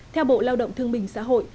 theo bộ lao động thương bình xã hội